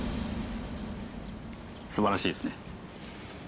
素晴らしいですね。